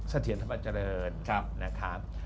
สภิกษณณะป่าจริย์ร้อนครับนะครับ